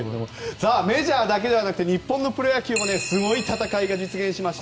さあメジャーだけじゃなくて日本のプロ野球もすごい戦いが実現しました。